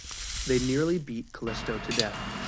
They nearly beat Callisto to death.